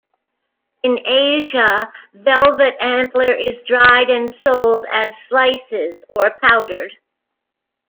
In Asia velvet antler is dried and sold as slices or powdered.